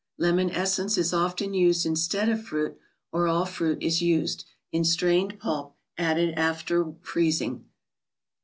Lemon essence is often used instead of fruit; or all fruit is used, in strained pulp, added after freezing.